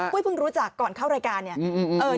เพิ่งรู้จักก่อนเข้ารายการเนี่ย